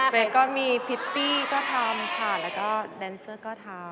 เป๊กก็มีพิตตี้ก็ทำค่ะแล้วก็แดนเซอร์ก็ทำ